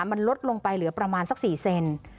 มันลดลงไปเหลือประมาณสัก๔เซน